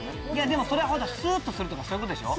でもそれスっとするとかそういうことでしょ？